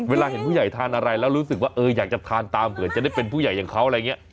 เวลาเห็นผู้ใหญ่ทานอะไรแล้วรู้สึกว่าเอออยากจะทานตามเผื่อจะได้เป็นผู้ใหญ่อย่างเขาอะไรอย่างนี้